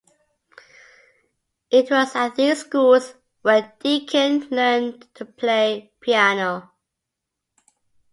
It was at these schools where Deakin learned to play piano.